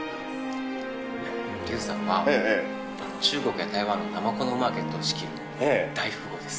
劉さんは中国や台湾のナマコのマーケットを仕切る大富豪です。